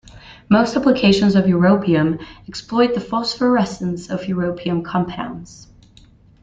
Most applications of europium exploit the phosphorescence of europium compounds.